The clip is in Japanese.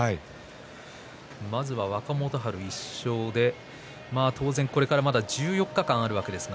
まずは若元春１勝で当然これから１４日間あります。